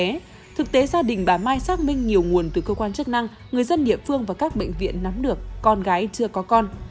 thực tế gia đình bà mai xác minh nhiều nguồn từ cơ quan chức năng người dân địa phương và các bệnh viện nắm được con gái chưa có con